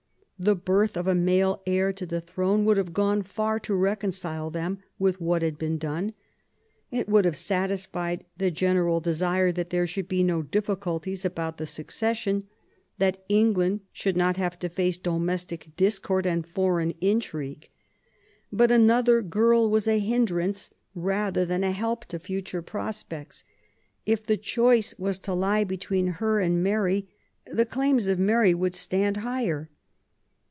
The birth of a male heir to the throne would have gone far' to reconcile thenn with what had been done. It would have satisfied the general desire that there should be no difficulties about the succession, that England should not have to face domestic discord and foreign intrigue. But another girl was a hindrance rather than a help to future prospects. If the choice was to lie between her and Mary, the claims of Mary would stand higher.